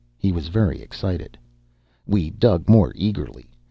He was very excited. We dug more eagerly.